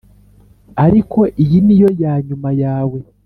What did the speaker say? ariko iyi niyo yanyuma yawe